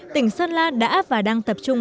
tỉnh sơn la đã và đang tập trung